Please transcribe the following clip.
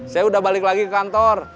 saya udah balik lagi ke kantor